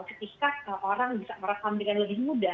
ketika orang bisa merekam dengan lebih mudah